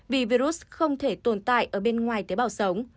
vì virus không thể tồn tại ở bên ngoài tế bào sống